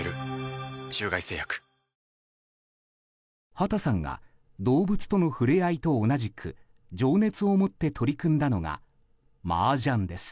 畑さんが動物との触れ合いと同じく情熱を持って取り組んだのがマージャンです。